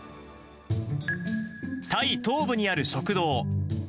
タイ東部にある食堂。